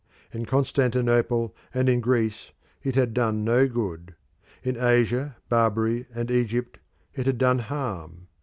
In Constantinople and in Greece it had done no good. In Asia, Barbary, and Egypt it had done harm.